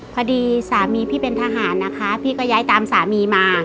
พอดีสามีพี่เป็นทหารนะคะพี่ก็ย้ายตามสามีมา